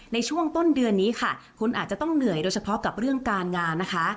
ในช่วงต้นเดือนนี้ค่ะคุณอาจจะต้องเหนื่อยโดยเฉพาะกับเรื่องการงานนะคะ